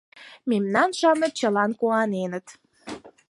Мемнан-шамыч чылан куаненыт.